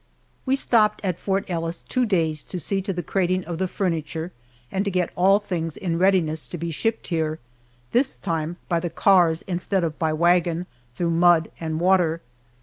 We stopped at Fort Ellis two days to see to the crating of the furniture and to get all things in readiness to be shipped here, this time by the cars instead of by wagon, through mud and water.